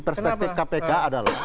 perspektif kpk adalah